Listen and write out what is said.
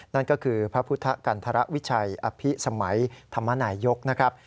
นั่นก็คือพระพุทธกันธรวิชัยอภิสมัยธรรมนายยกนะครับ